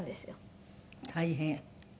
大変。